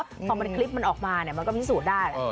พอมีคลิปมันออกมามันก็มีสูตรได้